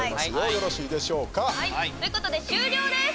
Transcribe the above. よろしいでしょうか。ということで終了です。